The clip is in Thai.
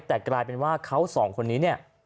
แต่กลายเป็นว่าเขาสองคนนี้เนี่ย